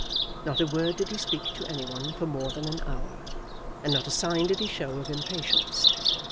Not a word did he speak to any one for more than an hour, and not a sign did he show of impatience.